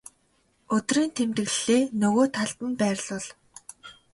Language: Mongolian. өдрийн тэмдэглэлээ нөгөө талд нь байрлуул.